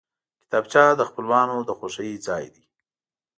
کتابچه د خپلوانو د خوښۍ ځای دی